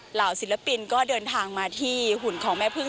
เหล่าศิลปินก็เดินทางมาที่หุ่นของแม่พึ่ง